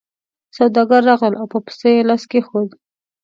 سوداګر راغلل او په پسه یې لاس کېښود.